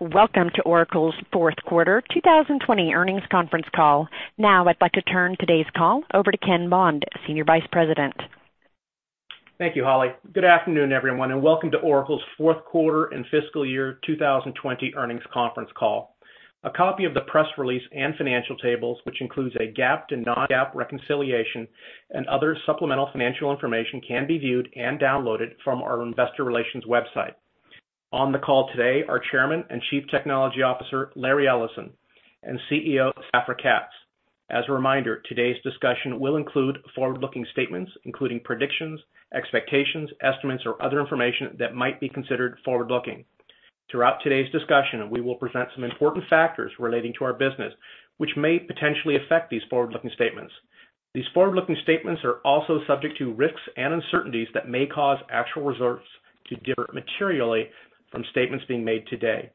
Welcome to Oracle's fourth quarter 2020 earnings conference call. I'd like to turn today's call over to Ken Bond, Senior Vice President. Thank you, Holly. Good afternoon, everyone, and welcome to Oracle's fourth quarter and fiscal year 2020 earnings conference call. A copy of the press release and financial tables, which includes a GAAP and non-GAAP reconciliation and other supplemental financial information can be viewed and downloaded from our investor relations website. On the call today are Chairman and Chief Technology Officer, Larry Ellison, and CEO, Safra Catz. As a reminder, today's discussion will include forward-looking statements, including predictions, expectations, estimates, or other information that might be considered forward-looking. Throughout today's discussion, we will present some important factors relating to our business, which may potentially affect these forward-looking statements. These forward-looking statements are also subject to risks and uncertainties that may cause actual results to differ materially from statements being made today.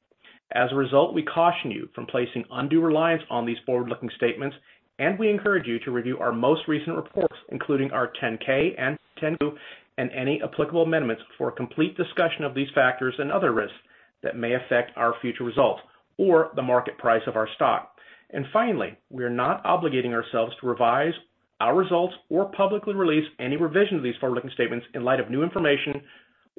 As a result, we caution you from placing undue reliance on these forward-looking statements, and we encourage you to review our most recent reports, including our 10-K and 10-Q, and any applicable amendments for a complete discussion of these factors and other risks that may affect our future results or the market price of our stock. Finally, we are not obligating ourselves to revise our results or publicly release any revision of these forward-looking statements in light of new information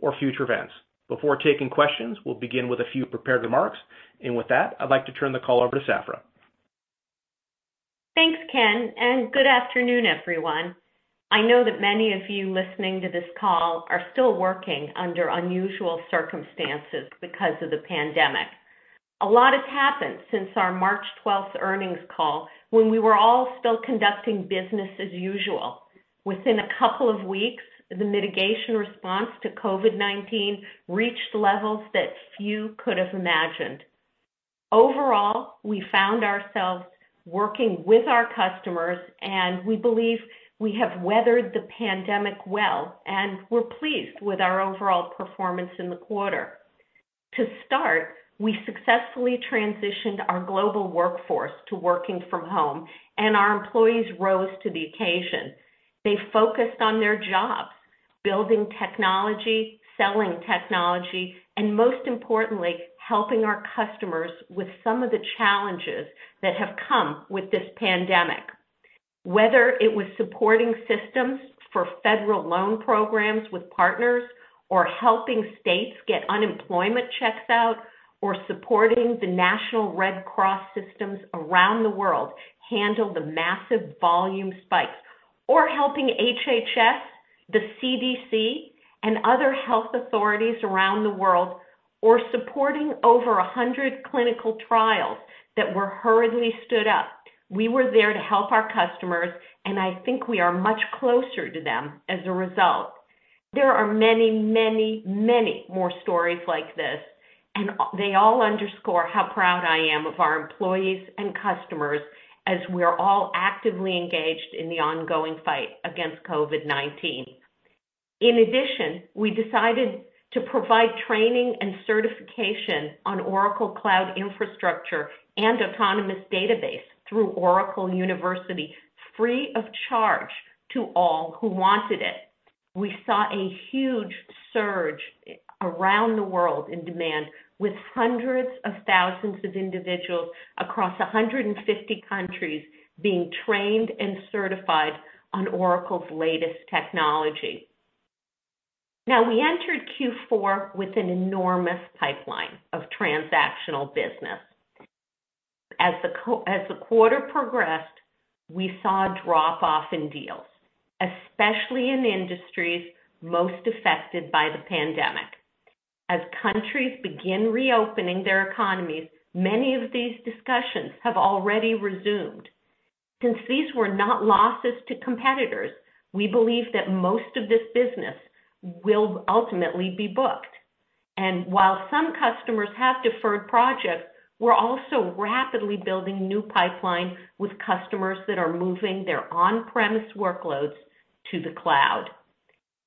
or future events. Before taking questions, we'll begin with a few prepared remarks. With that, I'd like to turn the call over to Safra. Thanks, Ken, and good afternoon, everyone. I know that many of you listening to this call are still working under unusual circumstances because of the pandemic. A lot has happened since our March 12th earnings call when we were all still conducting business as usual. Within a couple of weeks, the mitigation response to COVID-19 reached levels that few could have imagined. Overall, we found ourselves working with our customers, and we believe we have weathered the pandemic well, and we're pleased with our overall performance in the quarter. To start, we successfully transitioned our global workforce to working from home, and our employees rose to the occasion. They focused on their jobs, building technology, selling technology, and most importantly, helping our customers with some of the challenges that have come with this pandemic. Whether it was supporting systems for federal loan programs with partners or helping states get unemployment checks out or supporting the National Red Cross systems around the world handle the massive volume spikes or helping HHS, the CDC, and other health authorities around the world, or supporting over 100 clinical trials that were hurriedly stood up, we were there to help our customers, and I think we are much closer to them as a result. There are many, many, many more stories like this, and they all underscore how proud I am of our employees and customers as we are all actively engaged in the ongoing fight against COVID-19. In addition, we decided to provide training and certification on Oracle Cloud Infrastructure and Autonomous Database through Oracle University, free of charge to all who wanted it. We saw a huge surge around the world in demand, with hundreds of thousands of individuals across 150 countries being trained and certified on Oracle's latest technology. We entered Q4 with an enormous pipeline of transactional business. As the quarter progressed, we saw a drop-off in deals, especially in industries most affected by the pandemic. As countries begin reopening their economies, many of these discussions have already resumed. Since these were not losses to competitors, we believe that most of this business will ultimately be booked. While some customers have deferred projects, we're also rapidly building new pipeline with customers that are moving their on-premise workloads to the cloud.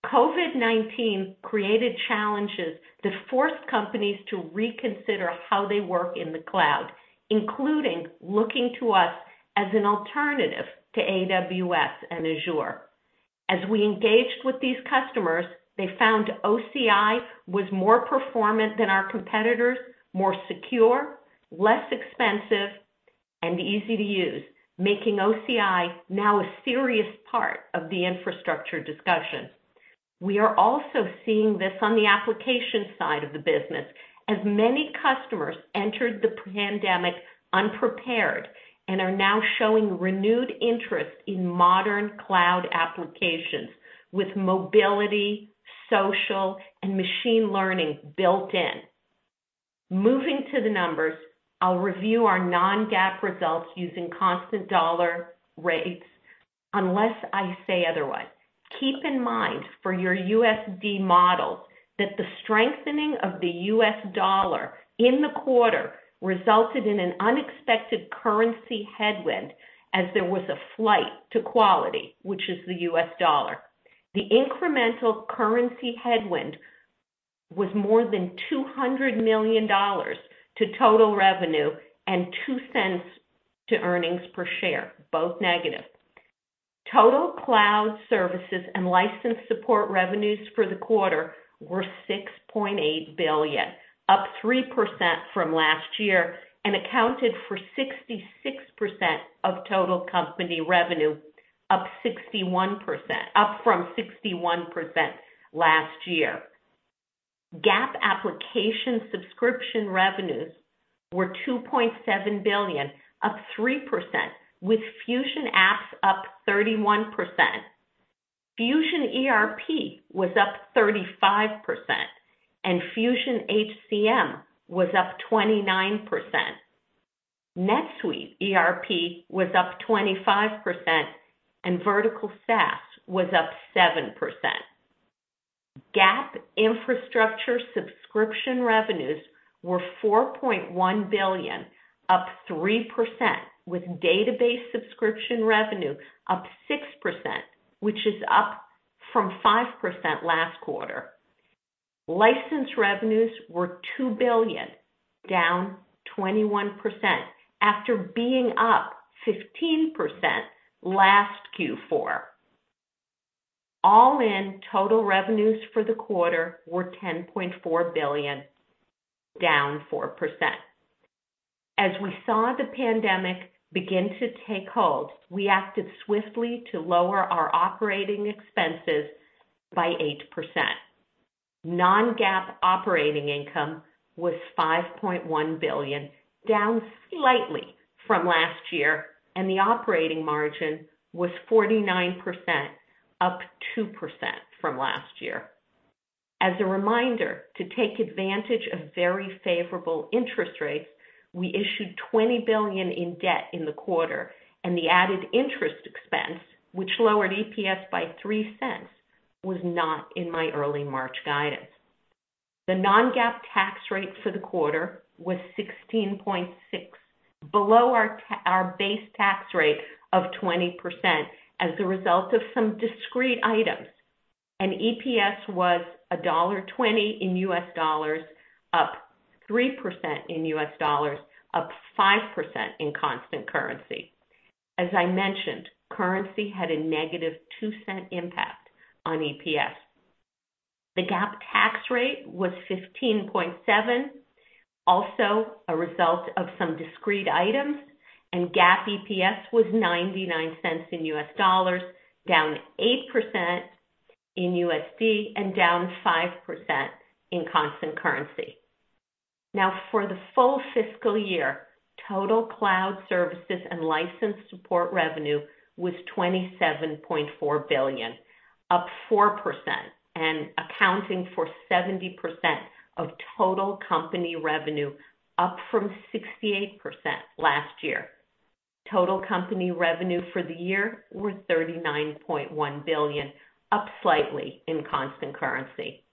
COVID-19 created challenges that forced companies to reconsider how they work in the cloud, including looking to us as an alternative to AWS and Azure. As we engaged with these customers, they found OCI was more performant than our competitors, more secure, less expensive, and easy to use, making OCI now a serious part of the infrastructure discussion. We are also seeing this on the application side of the business, as many customers entered the pandemic unprepared and are now showing renewed interest in modern cloud applications with mobility, social, and machine learning built in. Moving to the numbers, I'll review our non-GAAP results using constant dollar rates, unless I say otherwise. Keep in mind for your U.S.D. model that the strengthening of the U.S. dollar in the quarter resulted in an unexpected currency headwind as there was a flight to quality, which is the U.S. dollar. The incremental currency headwind was more than $200 million to total revenue and $0.02 to earnings per share, both negative. Total Cloud Services and License Support revenues for the quarter were $6.8 billion, up 3% from last year, and accounted for 66% of total company revenue, up from 61% last year. GAAP Application Subscription revenues were $2.7 billion, up 3%, with Fusion Apps up 31%. Fusion ERP was up 35%, and Fusion HCM was up 29%. NetSuite ERP was up 25%, and Vertical SaaS was up 7%. GAAP Infrastructure Subscription revenues were $4.1 billion, up 3%, with database subscription revenue up 6%, which is up from 5% last quarter. License revenues were $2 billion, down 21%, after being up 15% last Q4. All-in, total revenues for the quarter were $10.4 billion, down 4%. As we saw the pandemic begin to take hold, we acted swiftly to lower our operating expenses by 8%. Non-GAAP operating income was $5.1 billion, down slightly from last year, and the operating margin was 49%, up 2% from last year. As a reminder, to take advantage of very favorable interest rates, we issued $20 billion in debt in the quarter, and the added interest expense, which lowered EPS by $0.03, was not in my early March guidance. The non-GAAP tax rate for the quarter was 16.6%, below our base tax rate of 20%, as a result of some discrete items. EPS was $1.20 in U.S. dollars, up 3% in U.S. dollars, up 5% in constant currency. As I mentioned, currency had a -$0.02 impact on EPS. The GAAP tax rate was 15.7, also a result of some discrete items. GAAP EPS was $0.99 in U.S. dollars, down 8% in U.S.D. and down 5% in constant currency. For the full fiscal year, Total Cloud Services and License Support revenue was $27.4 billion, up 4% and accounting for 70% of total company revenue, up from 68% last year. Total company revenue for the year was $39.1 billion, up slightly in constant currency.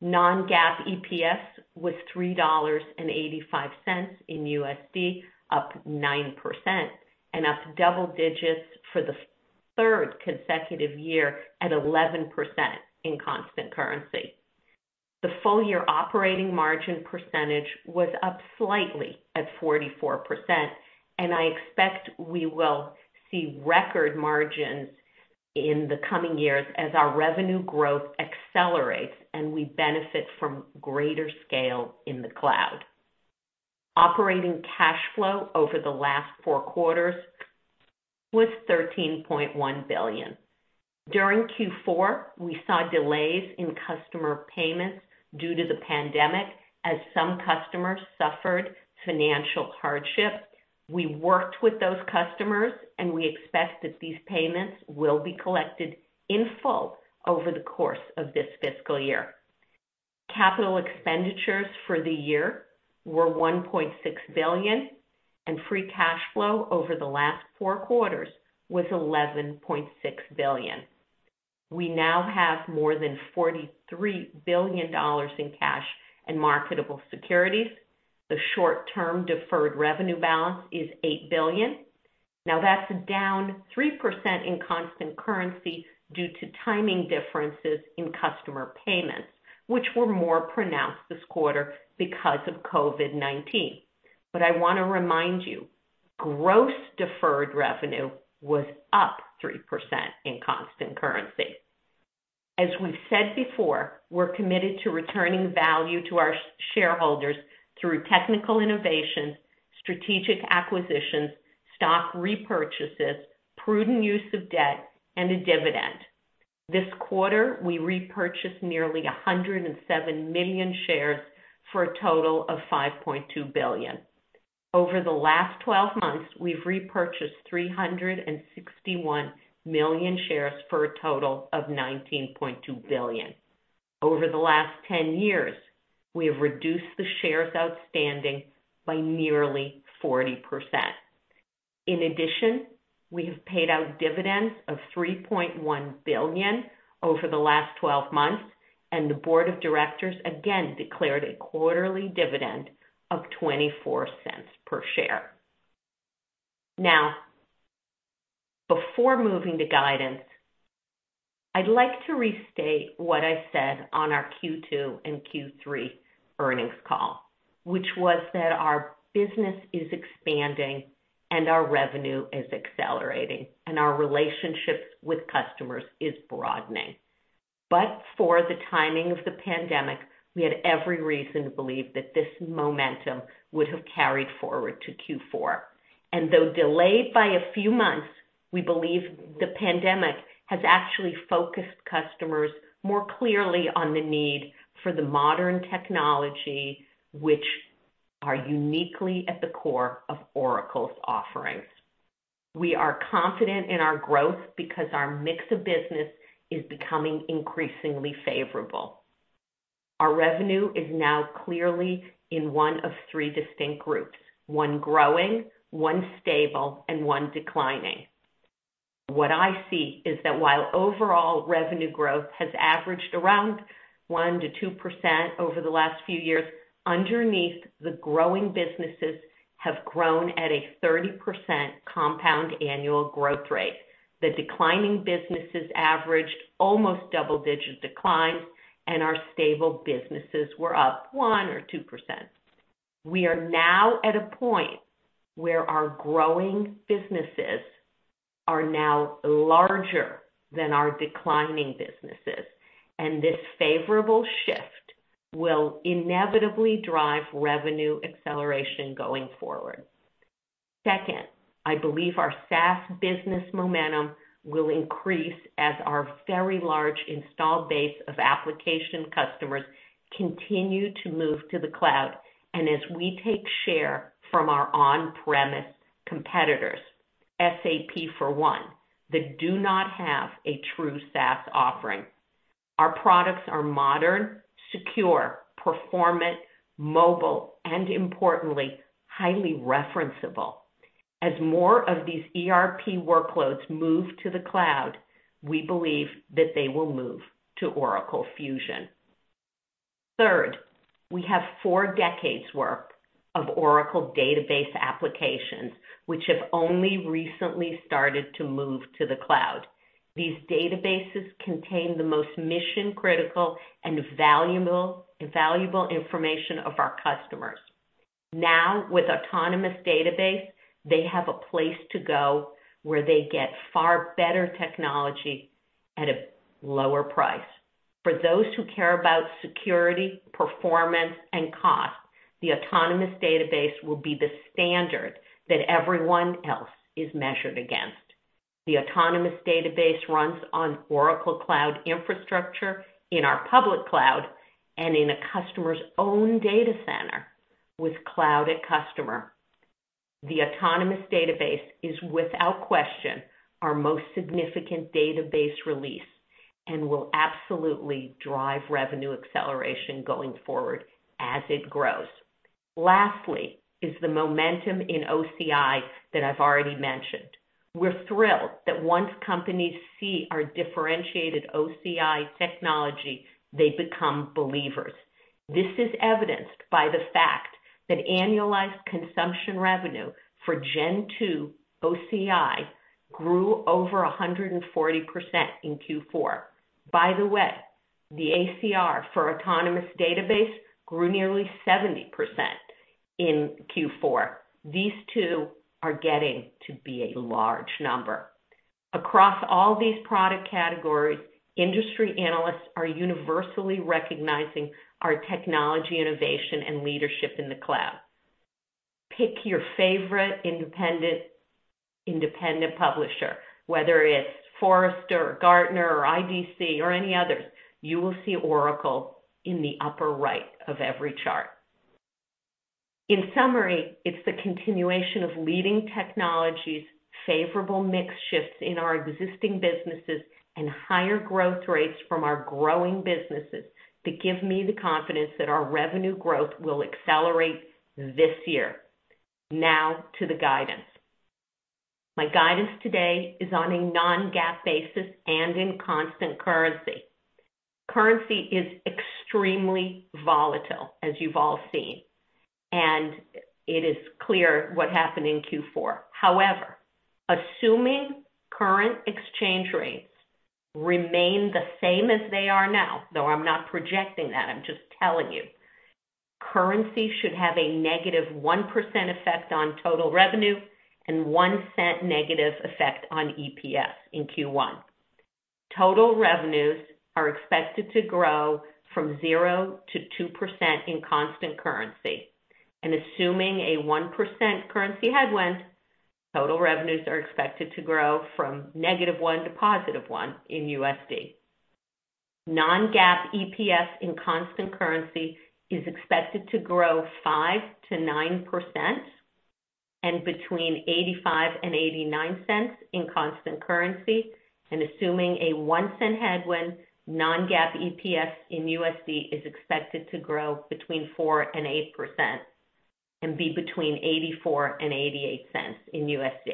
Non-GAAP EPS was $3.85 in U.S.D., up 9%, and up double digits for the third consecutive year at 11% in constant currency. The full-year operating margin percentage was up slightly at 44%, and I expect we will see record margins in the coming years as our revenue growth accelerates, and we benefit from greater scale in the cloud. Operating cash flow over the last four quarters was $13.1 billion. During Q4, we saw delays in customer payments due to the pandemic, as some customers suffered financial hardship. We worked with those customers. We expect that these payments will be collected in full over the course of this fiscal year. Capital expenditures for the year were $1.6 billion, and free cash flow over the last four quarters was $11.6 billion. We now have more than $43 billion in cash and marketable securities. The short-term deferred revenue balance is $8 billion. Now, that's down 3% in constant currency due to timing differences in customer payments, which were more pronounced this quarter because of COVID-19. I want to remind you, gross deferred revenue was up 3% in constant currency. As we've said before, we're committed to returning value to our shareholders through technical innovations, strategic acquisitions, stock repurchases, prudent use of debt, and a dividend. This quarter, we repurchased nearly 107 million shares for a total of $5.2 billion. Over the last 12 months, we've repurchased 361 million shares for a total of $19.2 billion. Over the last 10 years, we have reduced the shares outstanding by nearly 40%. In addition, we have paid out dividends of $3.1 billion over the last 12 months, and the board of directors again declared a quarterly dividend of $0.24 per share. Now, before moving to guidance, I'd like to restate what I said on our Q2 and Q3 earnings call, which was that our business is expanding and our revenue is accelerating, and our relationships with customers is broadening. For the timing of the pandemic, we had every reason to believe that this momentum would have carried forward to Q4. Though delayed by a few months, we believe the pandemic has actually focused customers more clearly on the need for the modern technology, which are uniquely at the core of Oracle's offerings. We are confident in our growth because our mix of business is becoming increasingly favorable. Our revenue is now clearly in one of three distinct groups, one growing, one stable, and one declining. What I see is that while overall revenue growth has averaged around 1%-2% over the last few years, underneath, the growing businesses have grown at a 30% compound annual growth rate. The declining businesses averaged almost double-digit declines, and our stable businesses were up 1% or 2%. We are now at a point where our growing businesses are now larger than our declining businesses. This favorable shift will inevitably drive revenue acceleration going forward. Second, I believe our SaaS business momentum will increase as our very large installed base of application customers continue to move to the cloud and as we take share from our on-premise competitors, SAP for one, that do not have a true SaaS offering. Our products are modern, secure, performant, mobile, and importantly, highly referenceable. As more of these ERP workloads move to the cloud, we believe that they will move to Oracle Fusion. Third, we have four decades' worth of Oracle Database applications, which have only recently started to move to the cloud. These databases contain the most mission-critical and valuable information of our customers. Now, with Autonomous Database, they have a place to go where they get far better technology at a lower price. For those who care about security, performance, and cost, the Autonomous Database will be the standard that everyone else is measured against. The Autonomous Database runs on Oracle Cloud Infrastructure in our Public Cloud and in a customer's own data center with Cloud@Customer. The Autonomous Database is, without question, our most significant database release and will absolutely drive revenue acceleration going forward as it grows. The momentum in OCI that I've already mentioned. We're thrilled that once companies see our differentiated OCI technology, they become believers. This is evidenced by the fact that annualized consumption revenue for Gen 2 OCI grew over 140% in Q4. By the way, the ACR for Autonomous Database grew nearly 70% in Q4. These two are getting to be a large number. Across all these product categories, industry analysts are universally recognizing our technology innovation and leadership in the cloud. Pick your favorite independent publisher, whether it's Forrester or Gartner or IDC or any others. You will see Oracle in the upper right of every chart. In summary, it's the continuation of leading technologies, favorable mix shifts in our existing businesses, and higher growth rates from our growing businesses that give me the confidence that our revenue growth will accelerate this year. Now to the guidance. My guidance today is on a non-GAAP basis and in constant currency. Currency is extremely volatile, as you've all seen, and it is clear what happened in Q4. However, assuming current exchange rates remain the same as they are now, though I'm not projecting that, I'm just telling you, currency should have a -1% effect on total revenue and $0.01 negative effect on EPS in Q1. Total revenues are expected to grow from 0%-2% in constant currency. Assuming a 1% currency headwind, total revenues are expected to grow from -1% to +1% in U.S.D. Non-GAAP EPS in constant currency is expected to grow 5%-9% and between $0.85 and $0.89 in constant currency. Assuming a $0.01 headwind, Non-GAAP EPS in U.S.D. is expected to grow between 4% and 8% and be between $0.84 and $0.88 in U.S.D.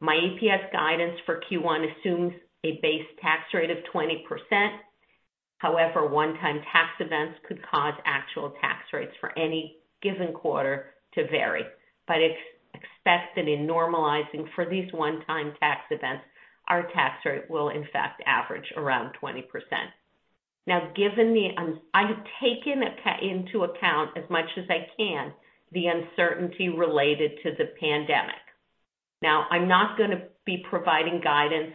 My EPS guidance for Q1 assumes a base tax rate of 20%. However, one-time tax events could cause actual tax rates for any given quarter to vary. Expect that in normalizing for these one-time tax events, our tax rate will in fact average around 20%. I have taken into account as much as I can, the uncertainty related to the pandemic. Now, I'm not going to be providing guidance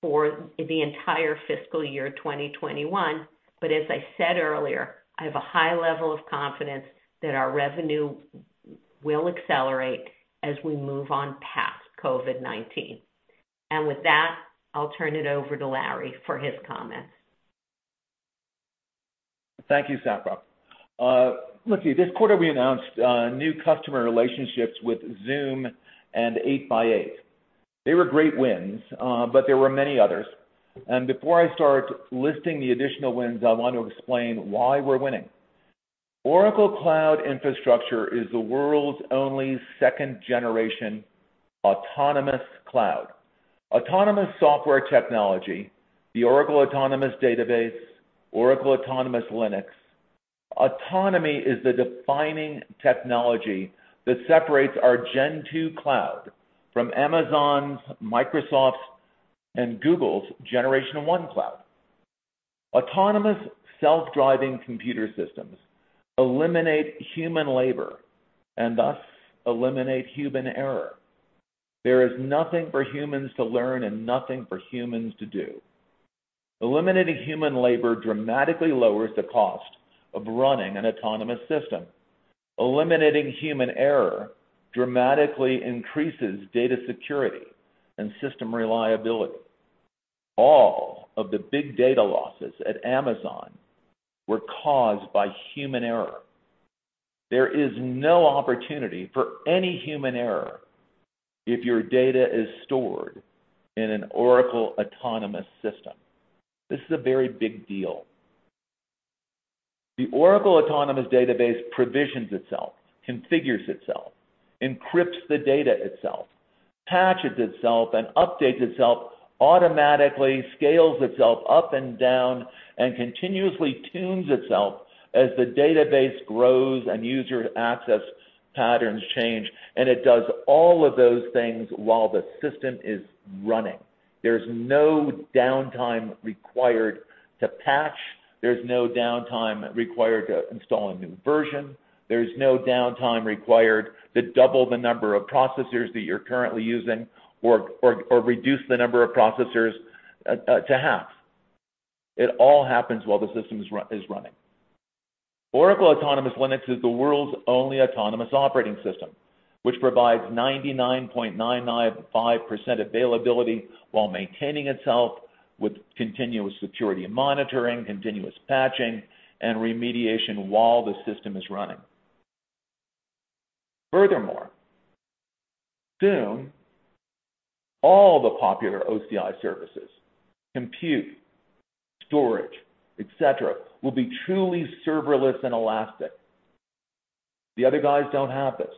for the entire fiscal year 2021, but as I said earlier, I have a high level of confidence that our revenue will accelerate as we move on past COVID-19. With that, I'll turn it over to Larry for his comments. Thank you, Safra. Let's see, this quarter we announced new customer relationships with Zoom and 8x8. They were great wins, but there were many others. Before I start listing the additional wins, I want to explain why we're winning. Oracle Cloud Infrastructure is the world's only Second-Generation Autonomous Cloud. Autonomous Software Technology, the Oracle Autonomous Database, Oracle Autonomous Linux. Autonomy is the defining technology that separates our Gen 2 Cloud from Amazon's, Microsoft's, and Google's Generation 1 Cloud. Autonomous self-driving computer systems eliminate human labor and thus eliminate human error. There is nothing for humans to learn and nothing for humans to do. Eliminating human labor dramatically lowers the cost of running an autonomous system. Eliminating human error dramatically increases data security and system reliability. All of the big data losses at Amazon were caused by human error. There is no opportunity for any human error if your data is stored in an Oracle Autonomous System. This is a very big deal. The Oracle Autonomous Database provisions itself, configures itself, encrypts the data itself, patches itself, and updates itself, automatically scales itself up and down, and continuously tunes itself as the database grows and user access patterns change, and it does all of those things while the system is running. There's no downtime required to patch. There's no downtime required to install a new version. There's no downtime required to double the number of processors that you're currently using or reduce the number of processors to half. It all happens while the system is running. Oracle Autonomous Linux is the world's only autonomous operating system, which provides 99.995% availability while maintaining itself with continuous security monitoring, continuous patching, and remediation while the system is running. Furthermore, soon, all the popular OCI services, compute, storage, et cetera, will be truly serverless and elastic. The other guys don't have this.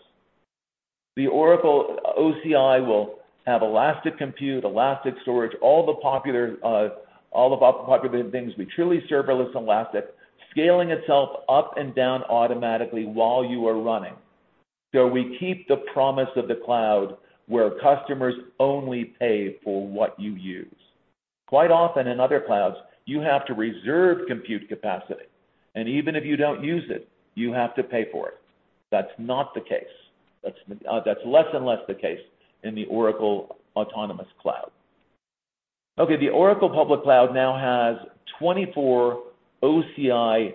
The Oracle OCI will have elastic compute, elastic storage, all of our popular things, be truly serverless and elastic, scaling itself up and down automatically while you are running. We keep the promise of the cloud where customers only pay for what you use. Quite often in other clouds, you have to reserve compute capacity, and even if you don't use it, you have to pay for it. That's not the case. That's less and less the case in the Oracle Autonomous Cloud. The Oracle Public Cloud now has 24 OCI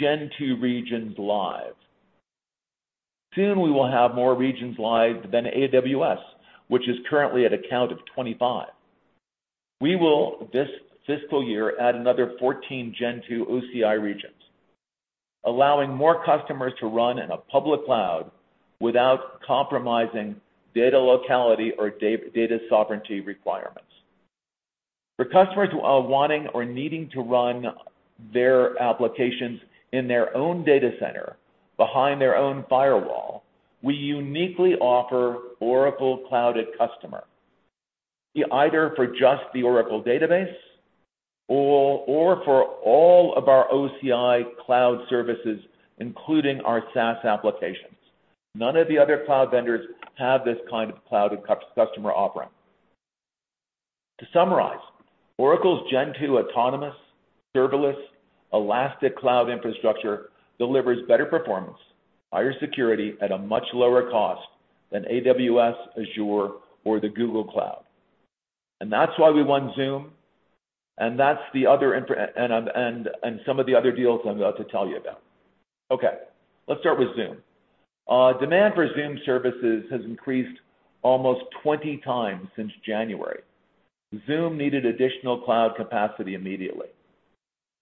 Gen 2 regions live. Soon we will have more regions live than AWS, which is currently at a count of 25. We will, this fiscal year, add another 14 Gen 2 OCI regions, allowing more customers to run in a Public Cloud without compromising data locality or data sovereignty requirements. For customers who are wanting or needing to run their applications in their own data center behind their own firewall, we uniquely offer Oracle Cloud@Customer, either for just the Oracle Database or for all of our OCI cloud services, including our SaaS applications. None of the other cloud vendors have this kind of Cloud@Customer offering. To summarize, Oracle's Gen 2 autonomous, serverless, elastic cloud infrastructure delivers better performance, higher security, at a much lower cost than AWS, Azure, or the Google Cloud. That's why we won Zoom, and some of the other deals I'm about to tell you about. Okay, let's start with Zoom. Demand for Zoom services has increased almost 20 times since January. Zoom needed additional cloud capacity immediately.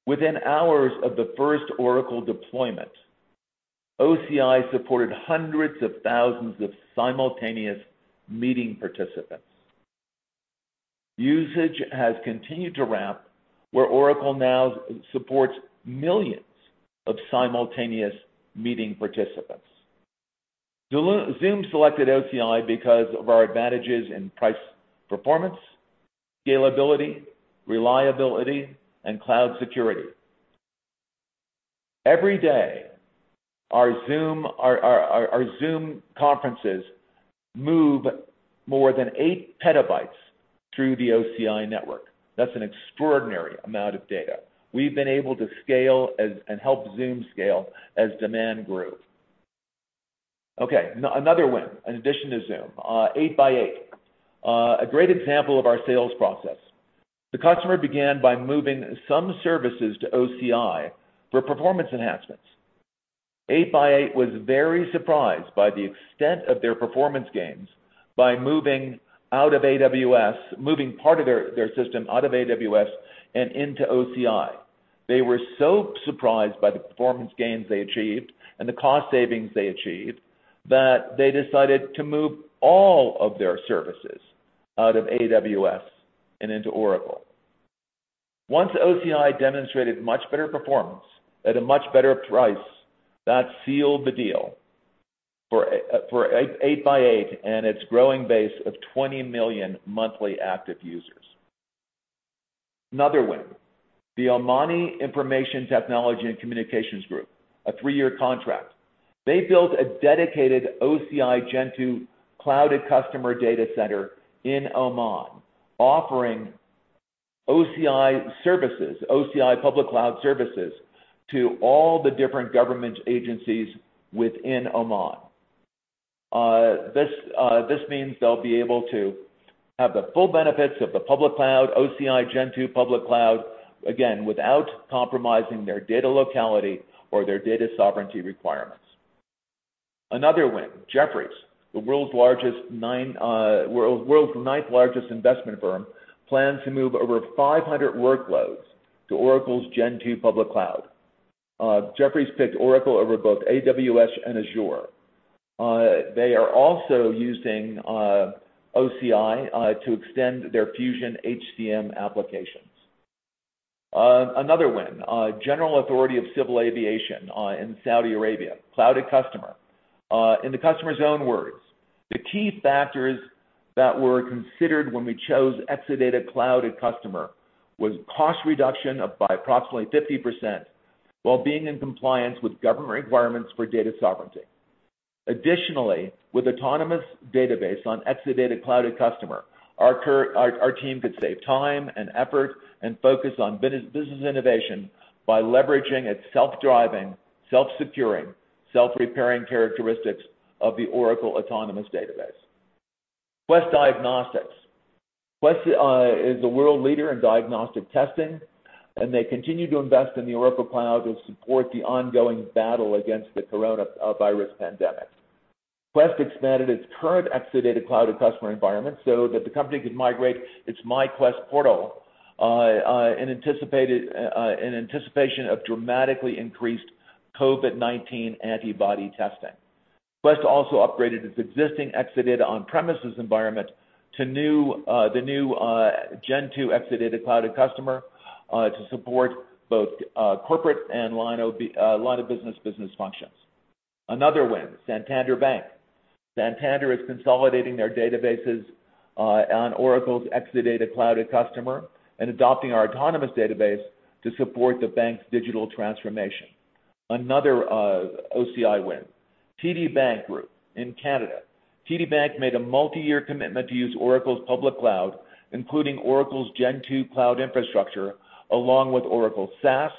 Within hours of the first Oracle deployment, OCI supported hundreds of thousands of simultaneous meeting participants. Usage has continued to ramp, where Oracle now supports millions of simultaneous meeting participants. Zoom selected OCI because of our advantages in price performance, scalability, reliability, and cloud security. Every day, our Zoom conferences move more than 8 PB through the OCI network. That's an extraordinary amount of data. We've been able to scale and help Zoom scale as demand grew. Okay, another win in addition to Zoom, 8x8. A great example of our sales process. The customer began by moving some services to OCI for performance enhancements. 8x8 was very surprised by the extent of their performance gains by moving part of their system out of AWS and into OCI. They were so surprised by the performance gains they achieved and the cost savings they achieved that they decided to move all of their services out of AWS and into Oracle. Once OCI demonstrated much better performance at a much better price, that sealed the deal for 8x8 and its growing base of 20 million monthly active users. Another win, the Oman Information and Communications Technology Group, a three-year contract. They built a dedicated OCI Gen 2 Cloud@Customer data center in Oman offering OCI Public Cloud services to all the different government agencies within Oman. This means they'll be able to have the full benefits of the Public Cloud, OCI Gen 2 Public Cloud, again, without compromising their data locality or their data sovereignty requirements. Another win, Jefferies, the world's ninth largest investment firm, planned to move over 500 workloads to Oracle's Gen 2 Public Cloud. Jefferies picked Oracle over both AWS and Azure. They are also using OCI to extend their Fusion HCM applications. Another win, General Authority of Civil Aviation in Saudi Arabia, Cloud@Customer. In the customer's own words, "The key factors that were considered when we chose Exadata Cloud@Customer was cost reduction by approximately 50% while being in compliance with government requirements for data sovereignty. Additionally, with Autonomous Database on Exadata Cloud@Customer, our team could save time and effort and focus on business innovation by leveraging its self-driving, self-securing, self-repairing characteristics of the Oracle Autonomous Database." Quest Diagnostics. Quest is a world leader in diagnostic testing, and they continue to invest in the Oracle Cloud to support the ongoing battle against the coronavirus pandemic. Quest expanded its current Exadata Cloud@Customer environment so that the company could migrate its MyQuest portal in anticipation of dramatically increased COVID-19 antibody testing. Quest also upgraded its existing Exadata on-premises environment to the new Gen 2 Exadata Cloud@Customer to support both corporate and line of business functions. Another win, Santander Bank. Santander is consolidating their databases on Oracle's Exadata Cloud@Customer and adopting our Autonomous Database to support the bank's digital transformation. Another OCI win, TD Bank Group in Canada. TD Bank made a multi-year commitment to use Oracle's Public Cloud, including Oracle's Gen 2 Cloud Infrastructure, along with Oracle SaaS,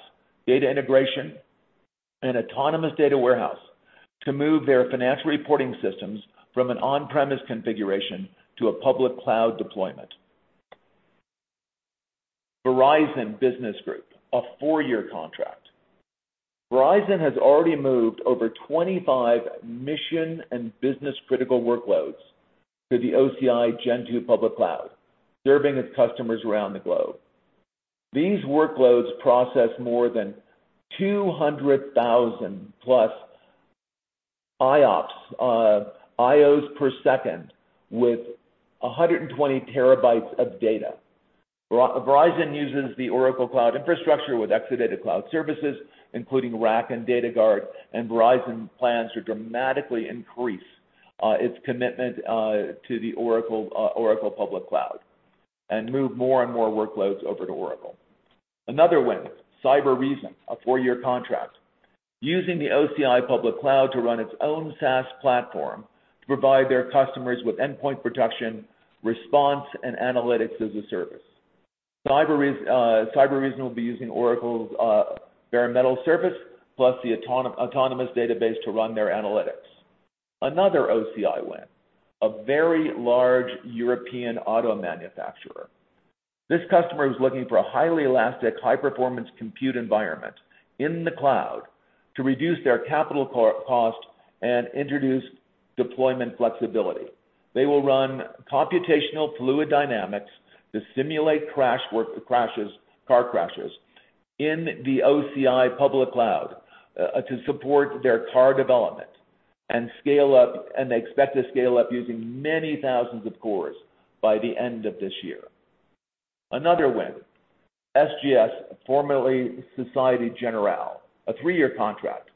Data Integration, and Oracle Autonomous Data Warehouse to move their financial reporting systems from an on-premise configuration to a Public Cloud deployment. Verizon Business Group, a four-year contract. Verizon has already moved over 25 mission and business-critical workloads to the OCI Gen 2 Public Cloud, serving its customers around the globe. These workloads process more than 200,000 IOPS, I/Os per second, with 120 TB of data. Verizon uses the Oracle Cloud Infrastructure with Exadata Cloud Services, including RAC and Data Guard, and Verizon plans to dramatically increase its commitment to the Oracle Public Cloud and move more and more workloads over to Oracle. Another win, Cybereason, a four-year contract, using the OCI Public Cloud to run its own SaaS platform to provide their customers with endpoint protection, response, and analytics as a service. Cybereason will be using Oracle's bare metal service plus the Autonomous Database to run their analytics. Another OCI win, a very large European auto manufacturer. This customer was looking for a highly elastic, high-performance compute environment in the cloud to reduce their capital cost and introduce deployment flexibility. They will run computational fluid dynamics to simulate car crashes in the OCI Public Cloud to support their car development and they expect to scale up using many thousands of cores by the end of this year. Another win. SGS, formerly Société Générale, a three-year contract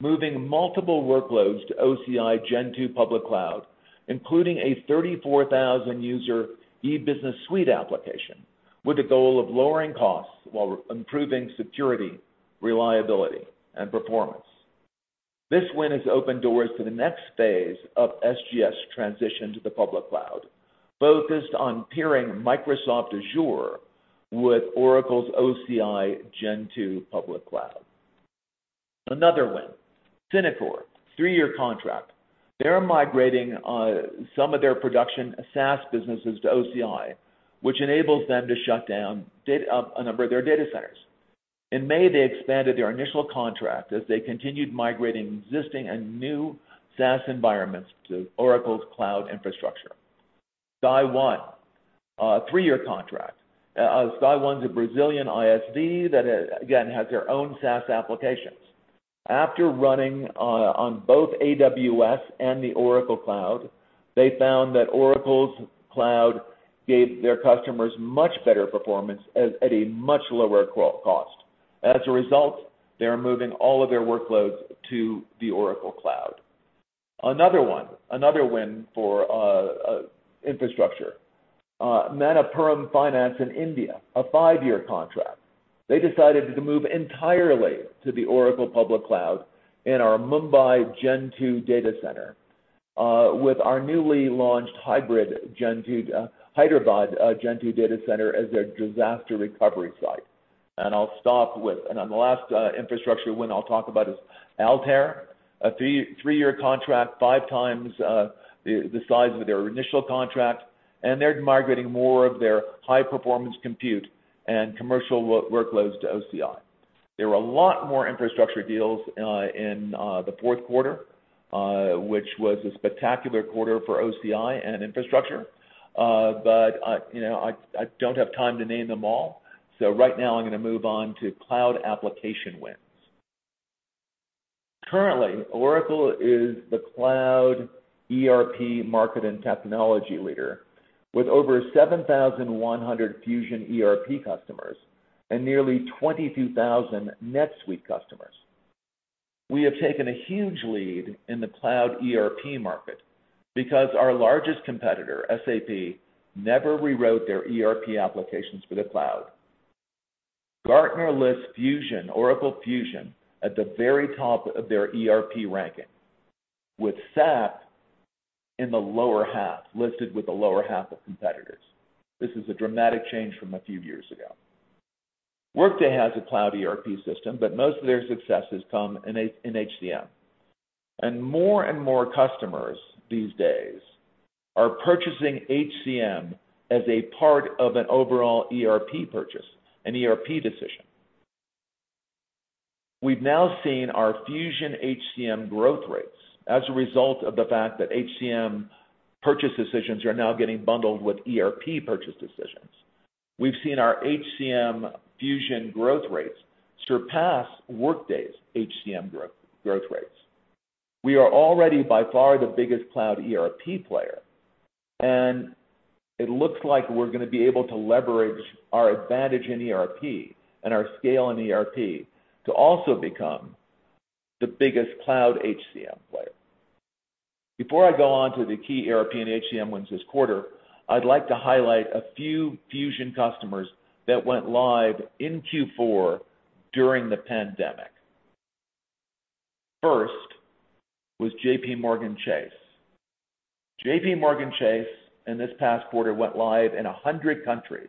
moving multiple workloads to OCI Gen 2 Public Cloud, including a 34,000 user E-Business Suite Application with a goal of lowering costs while improving security, reliability, and performance. This win has opened doors to the next phase of SGS' transition to the Public Cloud, focused on pairing Microsoft Azure with Oracle's OCI Gen 2 Public Cloud. Another win, Synacor, three-year contract. They're migrating some of their production SaaS businesses to OCI, which enables them to shut down a number of their data centers. In May, they expanded their initial contract as they continued migrating existing and new SaaS environments to Oracle's Cloud Infrastructure. Sky.One, a three-year contract. Sky.One's a Brazilian ISV that, again, has their own SaaS applications. After running on both AWS and the Oracle Cloud, they found that Oracle's Cloud gave their customers much better performance at a much lower cost. As a result, they are moving all of their workloads to the Oracle Cloud. Another win for infrastructure. Manappuram Finance in India, a five-year contract. They decided to move entirely to the Oracle Public Cloud in our Mumbai Gen 2 Data Center with our newly launched Hyderabad Gen 2 Data Center as their disaster recovery site. On the last infrastructure win I'll talk about is Altair, a three-year contract, five times the size of their initial contract, and they're migrating more of their high-performance compute and commercial workloads to OCI. There were a lot more infrastructure deals in the fourth quarter, which was a spectacular quarter for OCI and infrastructure. I don't have time to name them all, so right now I'm going to move on to cloud application wins. Currently, Oracle is the cloud ERP market and technology leader with over 7,100 Fusion ERP customers and nearly 22,000 NetSuite customers. We have taken a huge lead in the cloud ERP market because our largest competitor, SAP, never rewrote their ERP applications for the cloud. Gartner lists Oracle Fusion at the very top of their ERP ranking, with SAP in the lower half, listed with the lower half of competitors. This is a dramatic change from a few years ago. Workday has a cloud ERP system, but most of their success has come in HCM. More and more customers these days are purchasing HCM as a part of an overall ERP purchase, an ERP decision. We've now seen our Fusion HCM growth rates as a result of the fact that HCM purchase decisions are now getting bundled with ERP purchase decisions. We've seen our HCM Fusion growth rates surpass Workday's HCM growth rates. We are already by far the biggest cloud ERP player, and it looks like we're going to be able to leverage our advantage in ERP and our scale in ERP to also become the biggest cloud HCM player. Before I go on to the key ERP and HCM wins this quarter, I'd like to highlight a few Fusion customers that went live in Q4 during the pandemic. First was JPMorgan Chase. JPMorgan Chase, in this past quarter, went live in 100 countries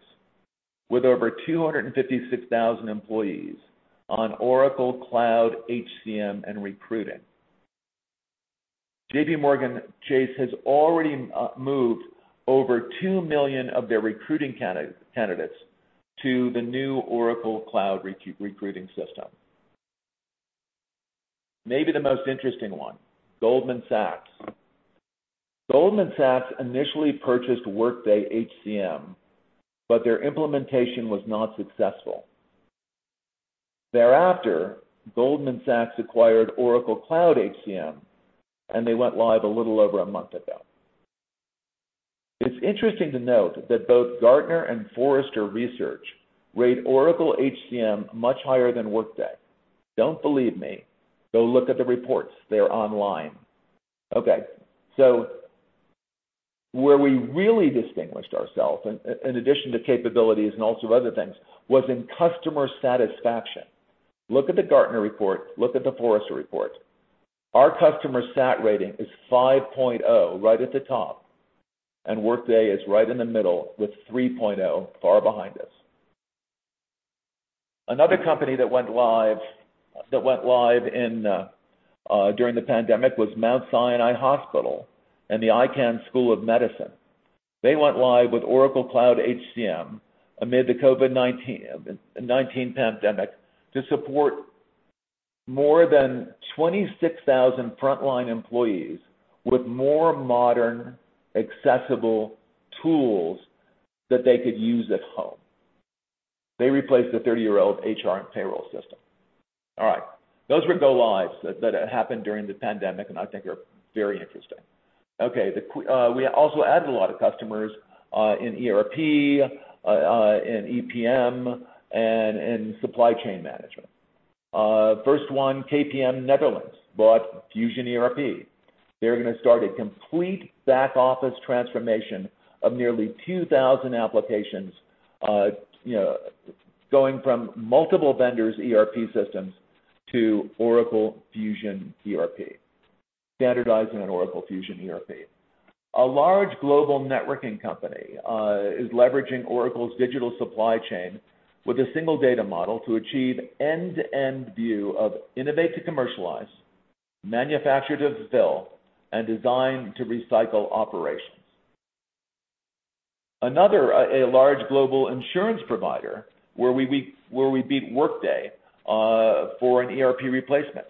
with over 256,000 employees on Oracle Cloud HCM and recruiting. JPMorgan Chase has already moved over 2 million of their recruiting candidates to the new Oracle Cloud recruiting system. Maybe the most interesting one, Goldman Sachs. Goldman Sachs initially purchased Workday HCM but their implementation was not successful. Thereafter, Goldman Sachs acquired Oracle Cloud HCM, and they went live a little over a month ago. It's interesting to note that both Gartner and Forrester Research rate Oracle HCM much higher than Workday. Don't believe me? Go look at the reports. They're online. Okay, where we really distinguished ourselves, in addition to capabilities and all sorts of other things, was in customer satisfaction. Look at the Gartner report. Look at the Forrester report. Our customer sat rating is 5.0, right at the top, and Workday is right in the middle with 3.0, far behind us. Another company that went live during the pandemic was Mount Sinai Hospital and the Icahn School of Medicine. They went live with Oracle Cloud HCM amid the COVID-19 pandemic to support more than 26,000 frontline employees with more modern, accessible tools that they could use at home. They replaced a 30-year-old HR and payroll system. All right, those were go-lives that happened during the pandemic, and I think are very interesting. Okay. We also added a lot of customers, in ERP, in EPM, and in supply chain management. First one, KPMG Netherlands, bought Fusion ERP. They're going to start a complete back-office transformation of nearly 2,000 applications, going from multiple vendors' ERP systems to Oracle Fusion ERP, standardizing on Oracle Fusion ERP. A large global networking company is leveraging Oracle's digital supply chain with a single data model to achieve end-to-end view of innovate to commercialize, manufacture to fulfill, and design to recycle operations. Another, a large global insurance provider where we beat Workday, for an ERP replacement.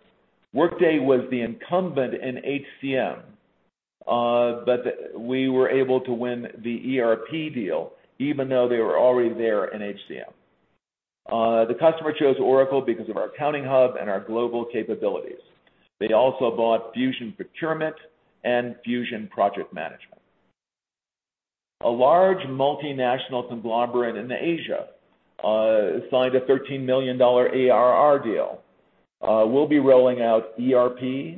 Workday was the incumbent in HCM, but we were able to win the ERP deal even though they were already there in HCM. The customer chose Oracle because of our accounting hub and our global capabilities. They also bought Fusion Procurement and Fusion Project Management. A large multinational conglomerate in Asia, signed a $13 million ARR deal. We'll be rolling out ERP,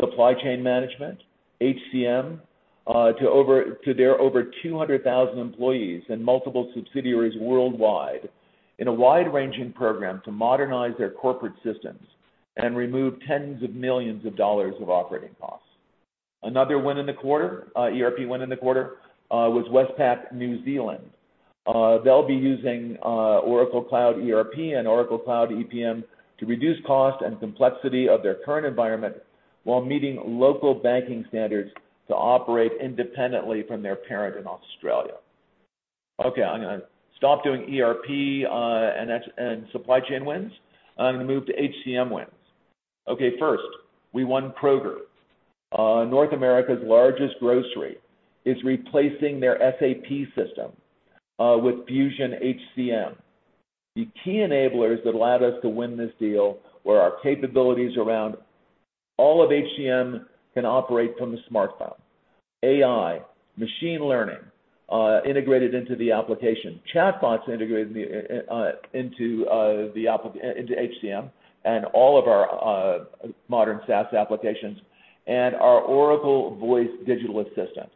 supply chain management, HCM, to their over 200,000 employees in multiple subsidiaries worldwide in a wide-ranging program to modernize their corporate systems and remove tens of millions of dollars of operating costs. Another win in the quarter, ERP win in the quarter, was Westpac New Zealand. They'll be using Oracle Cloud ERP and Oracle Cloud EPM to reduce cost and complexity of their current environment while meeting local banking standards to operate independently from their parent in Australia. I'm going to stop doing ERP, and supply chain wins, and I'm going to move to HCM wins. First, we won Kroger. North America's largest grocery is replacing their SAP system with Fusion HCM. The key enablers that allowed us to win this deal were our capabilities around all of HCM can operate from a smartphone, AI, machine learning integrated into the application, chatbots integrated into HCM and all of our modern SaaS applications, and our Oracle Voice Digital Assistant.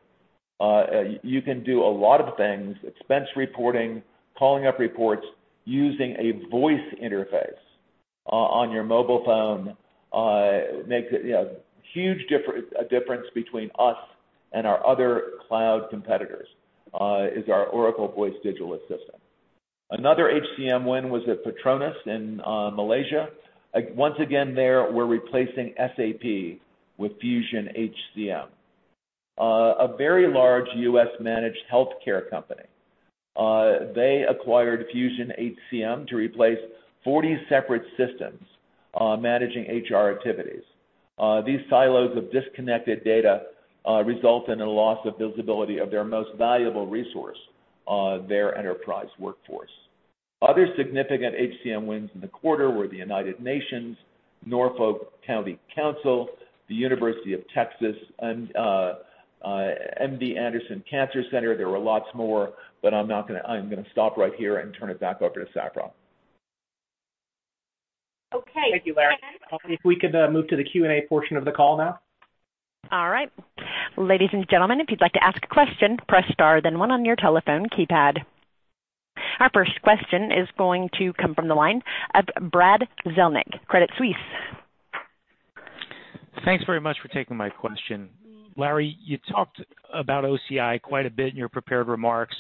You can do a lot of things, expense reporting, calling up reports, using a voice interface on your mobile phone. Makes a huge difference between us and our other cloud competitors, is our Oracle Voice Digital Assistant. Another HCM win was at PETRONAS in Malaysia. Once again, there we're replacing SAP with Fusion HCM. A very large U.S. managed healthcare company, they acquired Fusion HCM to replace 40 separate systems, managing HR activities. These silos of disconnected data result in a loss of visibility of their most valuable resource, their enterprise workforce. Other significant HCM wins in the quarter were the United Nations, Norfolk County Council, the University of Texas, and MD Anderson Cancer Center. There were lots more, but I'm going to stop right here and turn it back over to Safra. Okay. Thank you, Larry. If we could move to the Q&A portion of the call now. All right. Ladies and gentlemen, if you'd like to ask a question, press star then one on your telephone keypad. Our first question is going to come from the line of Brad Zelnick, Credit Suisse. Thanks very much for taking my question. Larry, you talked about OCI quite a bit in your prepared remarks,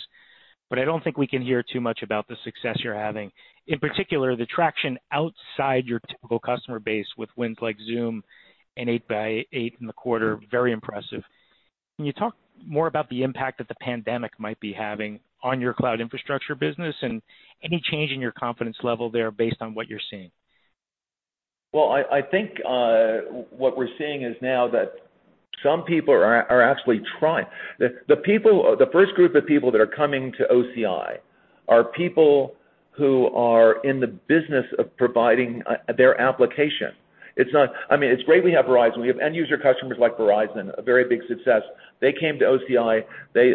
but I don't think we can hear too much about the success you're having. In particular, the traction outside your typical customer base with wins like Zoom and 8x8 in the quarter, very impressive. Can you talk more about the impact that the pandemic might be having on your cloud infrastructure business and any change in your confidence level there based on what you're seeing? Well, I think what we're seeing is now that some people are actually trying. The first group of people that are coming to OCI are people who are in the business of providing their application. It's great we have Verizon. We have end user customers like Verizon, a very big success. They came to OCI.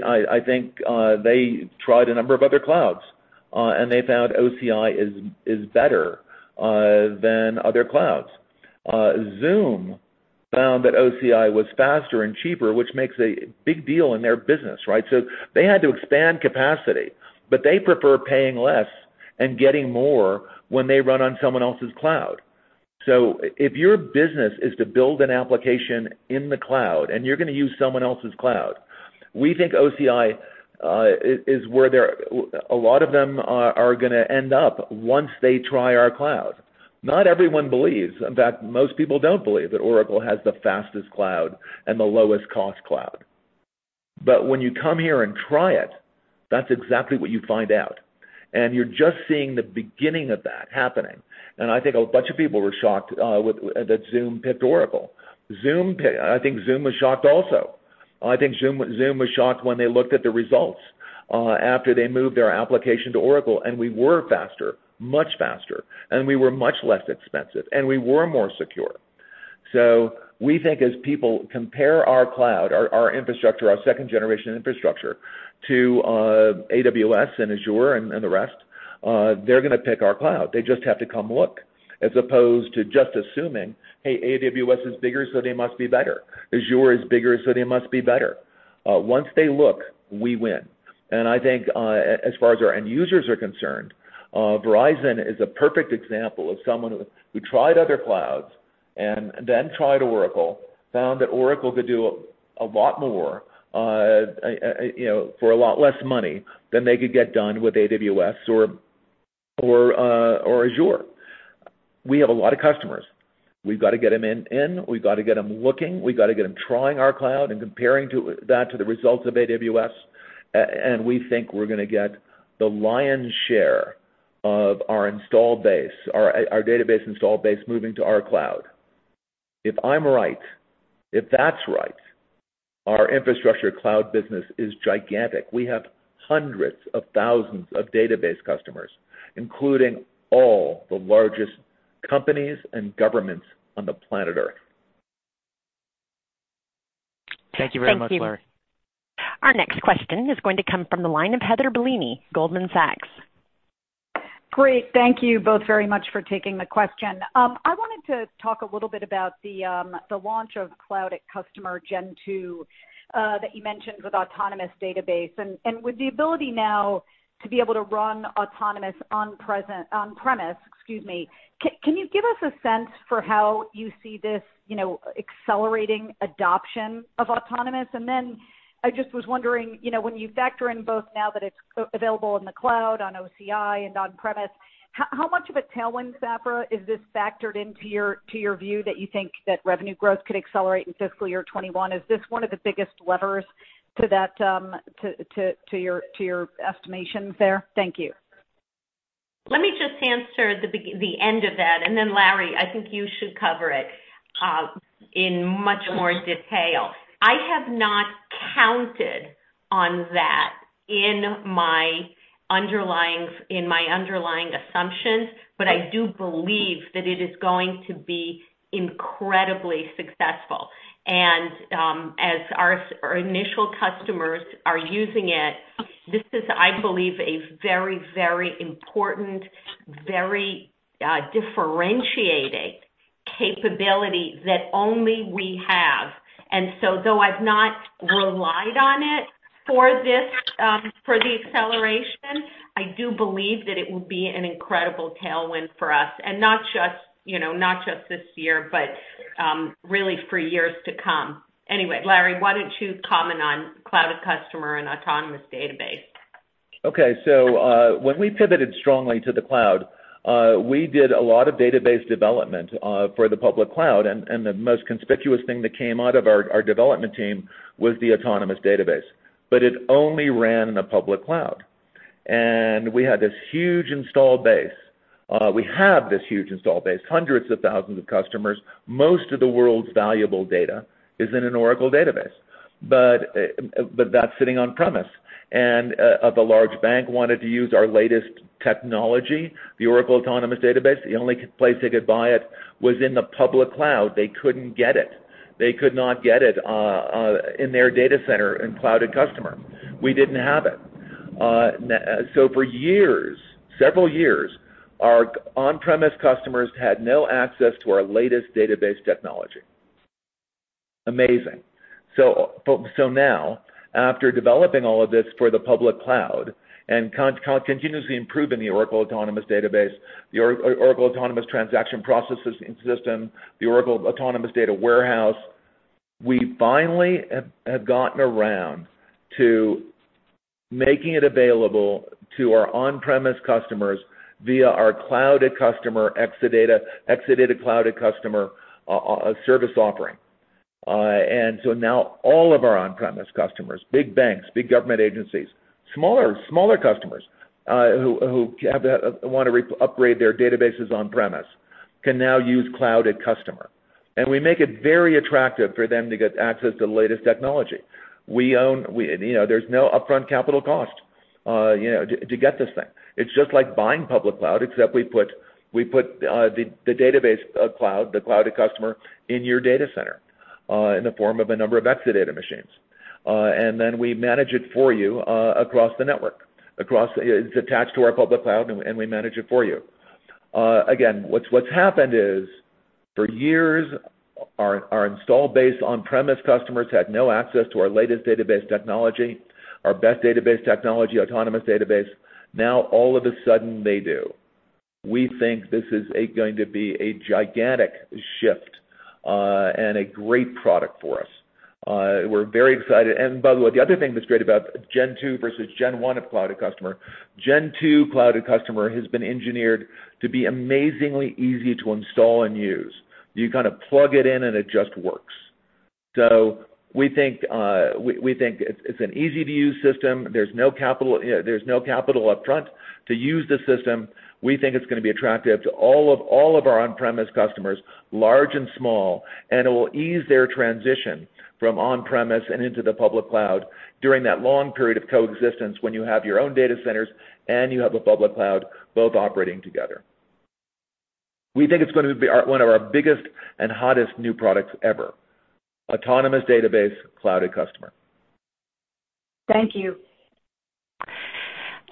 I think they tried a number of other clouds, and they found OCI is better than other clouds. Zoom found that OCI was faster and cheaper, which makes a big deal in their business, right? They had to expand capacity, but they prefer paying less and getting more when they run on someone else's cloud. If your business is to build an application in the cloud and you're going to use someone else's cloud, we think OCI is where a lot of them are going to end up once they try our cloud. Not everyone believes, in fact, most people don't believe that Oracle has the fastest cloud and the lowest cost cloud. When you come here and try it, that's exactly what you find out. You're just seeing the beginning of that happening, and I think a bunch of people were shocked that Zoom picked Oracle. I think Zoom was shocked also. I think Zoom was shocked when they looked at the results after they moved their application to Oracle, and we were faster, much faster, and we were much less expensive, and we were more secure. We think as people compare our cloud, our infrastructure, our second-generation infrastructure to AWS and Azure and the rest, they're going to pick our cloud. They just have to come look as opposed to just assuming, "Hey, AWS is bigger, so they must be better. Azure is bigger, they must be better." Once they look, we win. I think, as far as our end users are concerned, Verizon is a perfect example of someone who tried other clouds and then tried Oracle, found that Oracle could do a lot more for a lot less money than they could get done with AWS or Azure. We have a lot of customers. We've got to get them in. We've got to get them looking. We've got to get them trying our cloud and comparing that to the results of AWS. We think we're going to get the lion's share of our database install base moving to our cloud. If I'm right, if that's right, our infrastructure cloud business is gigantic. We have hundreds of thousands of database customers, including all the largest companies and governments on the planet Earth. Thank you very much, Larry. Thank you. Our next question is going to come from the line of Heather Bellini, Goldman Sachs. Great. Thank you both very much for taking the question. I wanted to talk a little bit about the launch of Cloud@Customer Gen 2 that you mentioned with Autonomous Database, and with the ability now to be able to run Autonomous on-premise, excuse me, can you give us a sense for how you see this accelerating adoption of Autonomous? Then I just was wondering, when you factor in both now that it's available in the cloud, on OCI and on-premise, how much of a tailwind, Safra, is this factored into your view that you think that revenue growth could accelerate in fiscal year 2021? Is this one of the biggest levers to your estimations there? Thank you. Let me just answer the end of that, and then Larry, I think you should cover it in much more detail. I have not counted on that in my underlying assumptions, but I do believe that it is going to be incredibly successful. As our initial customers are using it, this is, I believe, a very very important, very differentiating capability that only we have. Though I've not relied on it for the acceleration, I do believe that it will be an incredible tailwind for us, and not just this year, but really for years to come. Anyway, Larry, why don't you comment on Cloud@Customer and Autonomous Database? When we pivoted strongly to the cloud, we did a lot of database development for the Public Cloud, and the most conspicuous thing that came out of our development team was the Autonomous Database. It only ran in a Public Cloud. We had this huge install base. We have this huge install base, hundreds of thousands of customers. Most of the world's valuable data is in an Oracle database. That's sitting on-premise. If a large bank wanted to use our latest technology, the Oracle Autonomous Database, the only place they could buy it was in the Public Cloud. They couldn't get it. They could not get it in their data center in Cloud@Customer. We didn't have it. For years, several years, our on-premise customers had no access to our latest database technology. Amazing. After developing all of this for the Public Cloud and continuously improving the Oracle Autonomous Database, the Oracle Autonomous Transaction Processing system, the Oracle Autonomous Data Warehouse, we finally have gotten around to making it available to our on-premise customers via our Cloud@Customer, Exadata Cloud@Customer service offering. Now all of our on-premise customers, big banks, big government agencies, smaller customers who want to upgrade their databases on-premise, can now use Cloud@Customer. We make it very attractive for them to get access to the latest technology. There's no upfront capital cost to get this thing. It's just like buying Public Cloud, except we put the database cloud, the Cloud@Customer, in your data center in the form of a number of Exadata machines. Then we manage it for you across the network. It's attached to our Public Cloud, and we manage it for you. What's happened is, for years, our install base on-premise customers had no access to our latest database technology, our best database technology, Autonomous Database. All of a sudden they do. We think this is going to be a gigantic shift, and a great product for us. We're very excited. By the way, the other thing that's great about Gen 2 versus Gen 1 of Cloud@Customer, Gen 2 Cloud@Customer has been engineered to be amazingly easy to install and use. You kind of plug it in and it just works. We think it's an easy-to-use system. There's no capital upfront to use the system. We think it's going to be attractive to all of our on-premise customers, large and small, and it will ease their transition from on-premise and into the Public Cloud during that long period of coexistence when you have your own data centers and you have a Public Cloud both operating together. We think it's going to be one of our biggest and hottest new products ever, Autonomous Database Cloud@Customer. Thank you.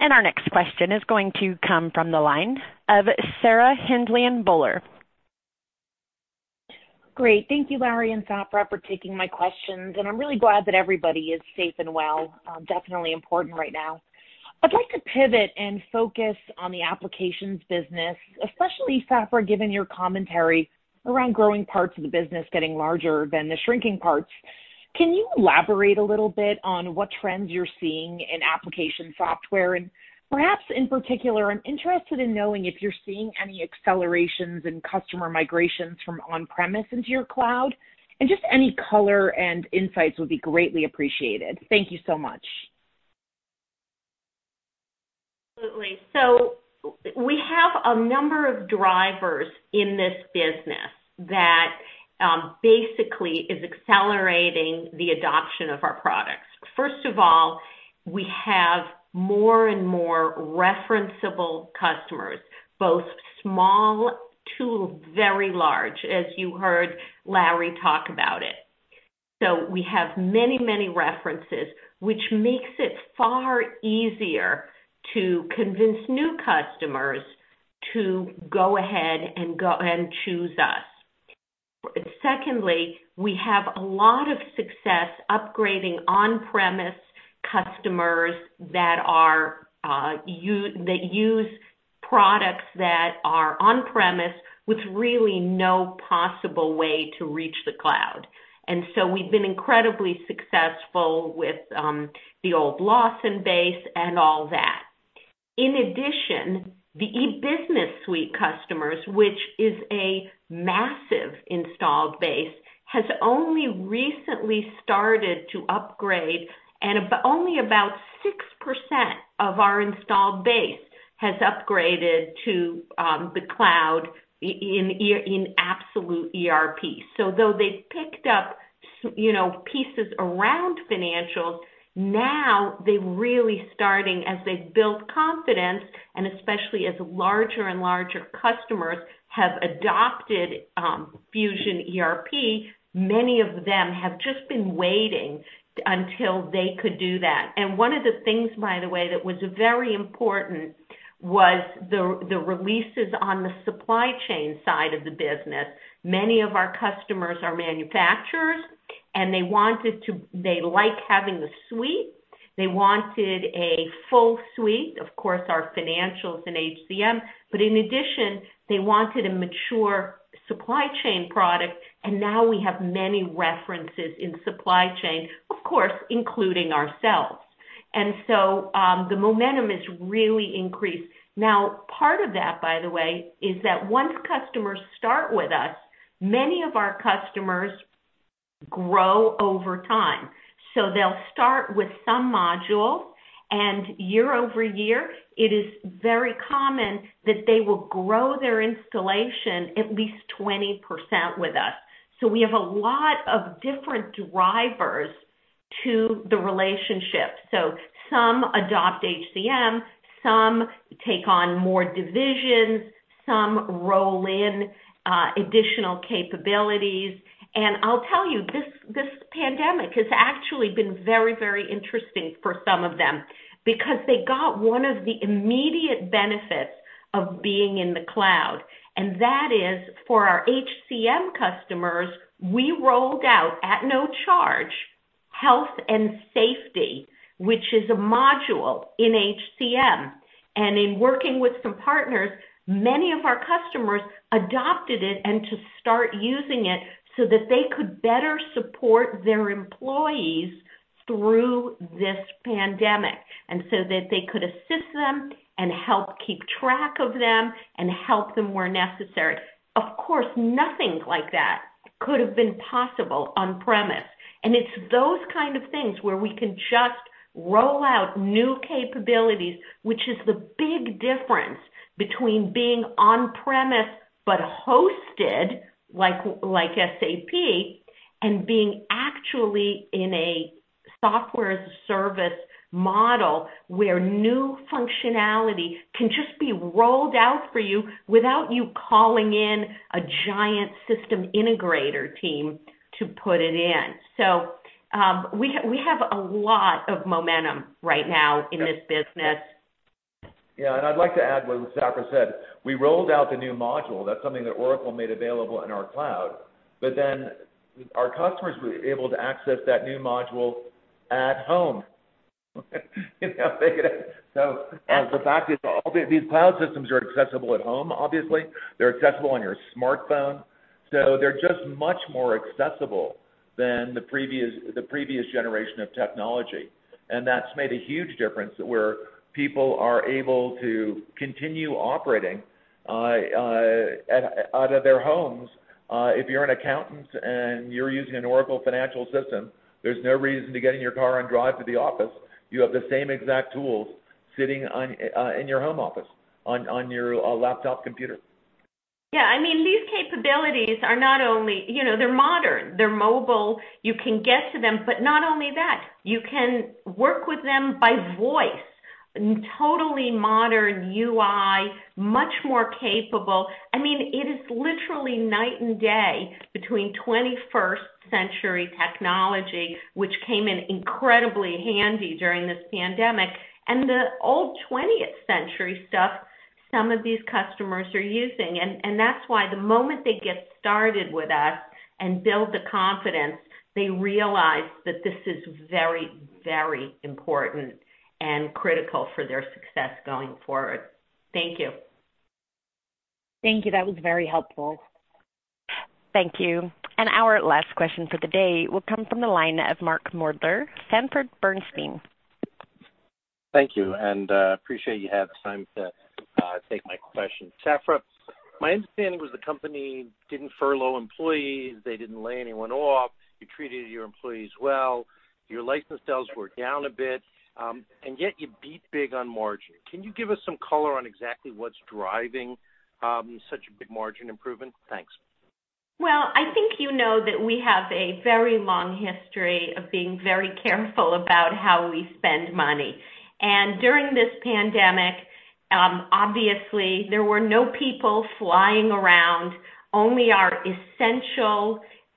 Our next question is going to come from the line of Sarah Hindlian-Bowler. Great. Thank you, Larry and Safra, for taking my questions. I'm really glad that everybody is safe and well. Definitely important right now. I'd like to pivot and focus on the applications business, especially Safra, given your commentary around growing parts of the business getting larger than the shrinking parts. Can you elaborate a little bit on what trends you're seeing in application software? Perhaps in particular, I'm interested in knowing if you're seeing any accelerations in customer migrations from on-premise into your cloud. Just any color and insights would be greatly appreciated. Thank you so much. Absolutely. We have a number of drivers in this business that basically is accelerating the adoption of our products. First of all, we have more and more referenceable customers, both small to very large, as you heard Larry talk about it. We have many, many references, which makes it far easier to convince new customers to go ahead and choose us. Secondly, we have a lot of success upgrading on-premise customers that use products that are on-premise with really no possible way to reach the cloud. We've been incredibly successful with the old Lawson base and all that. In addition, the E-Business Suite customers, which is a massive installed base, has only recently started to upgrade, and only about 6% of our installed base has upgraded to the cloud in absolute ERP. Though they've picked up pieces around financials, now they're really starting as they've built confidence, and especially as larger and larger customers have adopted Fusion ERP, many of them have just been waiting until they could do that. One of the things, by the way, that was very important was the releases on the supply chain side of the business. Many of our customers are manufacturers, and they like having a Suite. They wanted a full Suite, of course, our financials and HCM. In addition, they wanted a mature supply chain product, and now we have many references in supply chain, of course, including ourselves. The momentum has really increased. Part of that, by the way, is that once customers start with us, many of our customers grow over time. They'll start with some module. Year-over-year, it is very common that they will grow their installation at least 20% with us. We have a lot of different drivers to the relationship. Some adopt HCM, some take on more divisions, some roll in additional capabilities. I'll tell you, this pandemic has actually been very interesting for some of them because they got one of the immediate benefits of being in the cloud. That is for our HCM customers, we rolled out, at no charge, health and safety, which is a module in HCM. In working with some partners, many of our customers adopted it and to start using it so that they could better support their employees through this pandemic, and so that they could assist them and help keep track of them and help them where necessary. Of course, nothing like that could have been possible on-premise. It's those kind of things where we can just roll out new capabilities, which is the big difference between being on-premise but hosted, like SAP, and being actually in a software-as-a-service model, where new functionality can just be rolled out for you without you calling in a giant system integrator team to put it in. We have a lot of momentum right now in this business. Yeah, I'd like to add what Safra said. We rolled out the new module. That's something that Oracle made available in our cloud. Our customers were able to access that new module at home. The fact is, all these cloud systems are accessible at home, obviously. They're accessible on your smartphone. They're just much more accessible than the previous generation of technology, and that's made a huge difference where people are able to continue operating out of their homes. If you're an accountant and you're using an Oracle Financial System, there's no reason to get in your car and drive to the office. You have the same exact tools sitting in your home office on your laptop computer. Yeah. These capabilities are modern, they're mobile, you can get to them, but not only that, you can work with them by voice. Totally modern UI, much more capable. It is literally night and day between 21st century technology, which came in incredibly handy during this pandemic, and the old 20th century stuff some of these customers are using. That's why the moment they get started with us and build the confidence, they realize that this is very, very important and critical for their success going forward. Thank you. Thank you. That was very helpful. Thank you. Our last question for the day will come from the line of Mark Moerdler, Sanford Bernstein. Thank you. Appreciate you have the time to take my question. Safra, my understanding was the company didn't furlough employees, they didn't lay anyone off. You treated your employees well. Your license sales were down a bit, and yet you beat big on margin. Can you give us some color on exactly what's driving such a big margin improvement? Thanks. Well, I think you know that we have a very long history of being very careful about how we spend money. During this pandemic, obviously, there were no people flying around,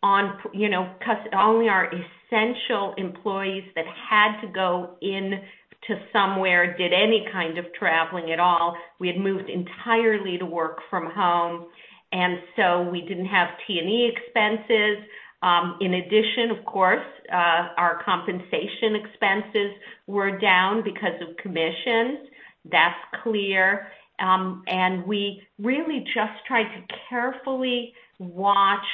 only our essential employees that had to go in to somewhere did any kind of traveling at all. We had moved entirely to work from home, and so we didn't have T&E expenses. In addition, of course, our compensation expenses were down because of commissions. That's clear. We really just tried to carefully watch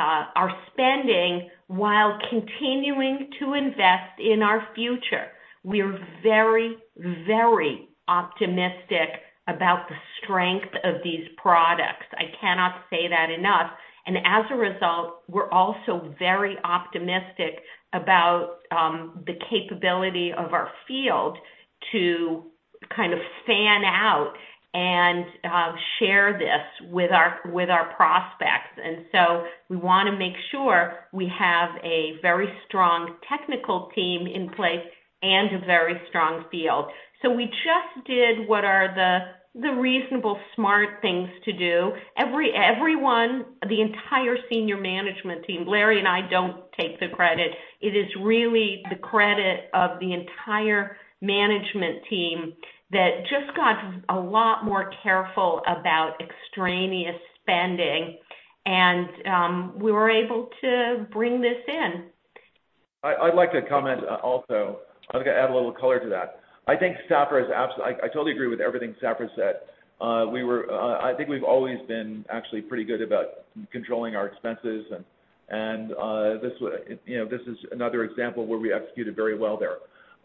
our spending while continuing to invest in our future. We're very, very optimistic about the strength of these products. I cannot say that enough. As a result, we're also very optimistic about the capability of our field to fan out and share this with our prospects. We want to make sure we have a very strong technical team in place and a very strong field. We just did what are the reasonable, smart things to do. Everyone, the entire senior management team, Larry and I don't take the credit, it is really the credit of the entire management team that just got a lot more careful about extraneous spending. We were able to bring this in. I'd like to comment also. I'd like to add a little color to that. I totally agree with everything Safra said. I think we've always been actually pretty good about controlling our expenses, and this is another example where we executed very well there.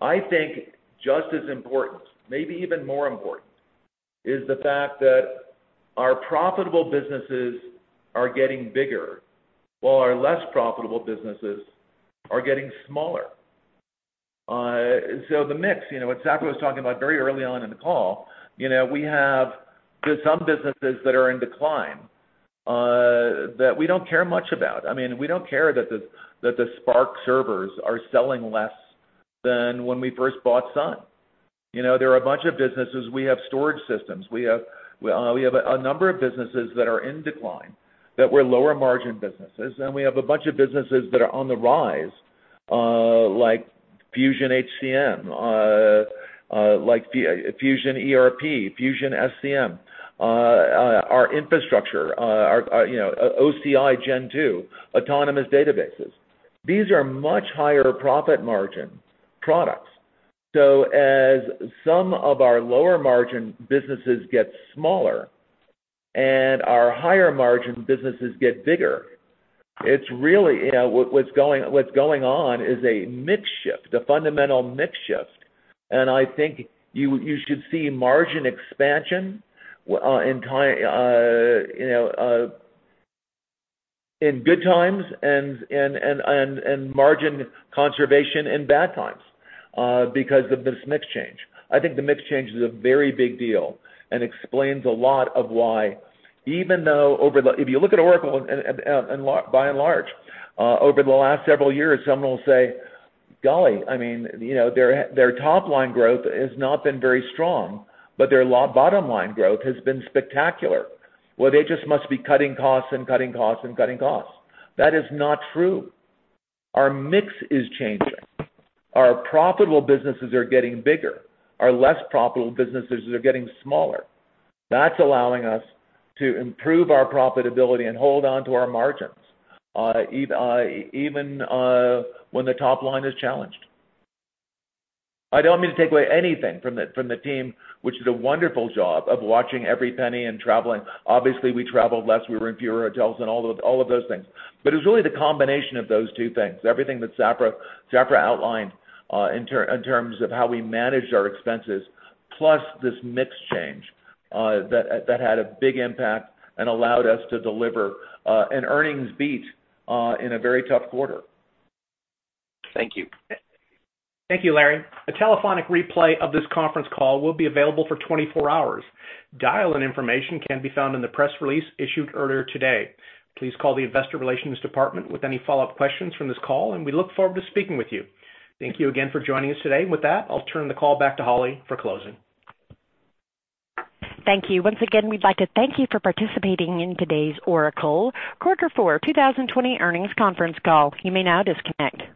I think just as important, maybe even more important, is the fact that our profitable businesses are getting bigger while our less profitable businesses are getting smaller. The mix, what Safra was talking about very early on in the call, we have some businesses that are in decline, that we don't care much about. We don't care that the SPARC servers are selling less than when we first bought Sun. There are a bunch of businesses, we have storage systems. We have a number of businesses that are in decline that were lower margin businesses, and we have a bunch of businesses that are on the rise, like Fusion HCM, like Fusion ERP, Fusion SCM, our infrastructure, OCI Gen 2, Autonomous Databases. These are much higher profit margin products. As some of our lower margin businesses get smaller and our higher margin businesses get bigger, what's going on is a mix shift, a fundamental mix shift. I think you should see margin expansion in good times and margin conservation in bad times because of this mix change. I think the mix change is a very big deal and explains a lot of why even though, if you look at Oracle by and large, over the last several years, someone will say, "Golly, their top-line growth has not been very strong, but their bottom line growth has been spectacular. They just must be cutting costs and cutting costs and cutting costs." That is not true. Our mix is changing. Our profitable businesses are getting bigger. Our less profitable businesses are getting smaller. That's allowing us to improve our profitability and hold on to our margins even when the top-line is challenged. I don't mean to take away anything from the team, which did a wonderful job of watching every penny and traveling. Obviously, we traveled less, we were in fewer hotels, and all of those things. It was really the combination of those two things, everything that Safra outlined in terms of how we managed our expenses, plus this mix change that had a big impact and allowed us to deliver an earnings beat in a very tough quarter. Thank you. Thank you, Larry. A telephonic replay of this conference call will be available for 24 hours. Dial-in information can be found in the press release issued earlier today. Please call the investor relations department with any follow-up questions from this call, and we look forward to speaking with you. Thank you again for joining us today. With that, I'll turn the call back to Holly for closing. Thank you. Once again, we'd like to thank you for participating in today's Oracle quarter four 2020 earnings conference call. You may now disconnect.